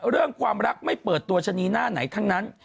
เรื่องความรักไม่เปิดตัวชะนีหน้าไหนทั้งนั้น